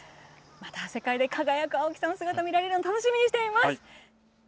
また世界で輝く青木さんの姿が見られるのを楽しみにしています。